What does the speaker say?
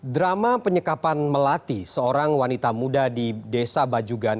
drama penyekapan melati seorang wanita muda di desa bajugan